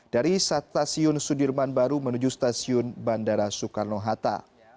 dari stasiun sudirman baru menuju stasiun bandara soekarno hatta